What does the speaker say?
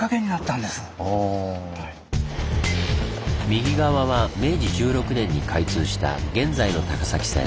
右側は明治１６年に開通した現在の高崎線。